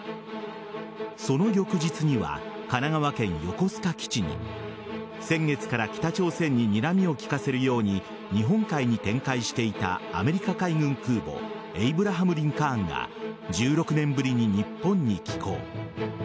その翌日には神奈川県・横須賀基地に先月から北朝鮮ににらみを利かせるように日本海に展開していたアメリカ海軍空母「エイブラハム・リンカーン」が１６年ぶりに日本に寄港。